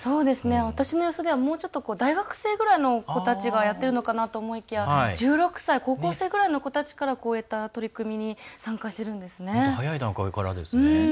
私の予想ではもうちょっと大学生ぐらいの子たちがやっているのかなと思いきや１６歳高校生ぐらいの子たちからこういった取り組みに早い段階からですよね。